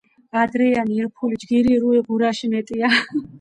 ადრეიანი ირფელი ჯგირი რე ღურაში მეტია